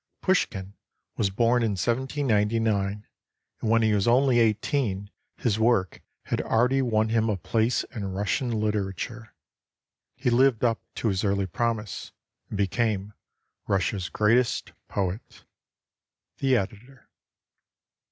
Pushkin was born in 1799, and when he was only eighteen his work had already won him a place in Russian literature. He lived up to his early promise, and became Russia's great est poet. The Editor.